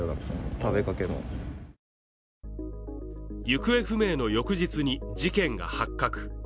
行方不明の翌日に事件が発覚。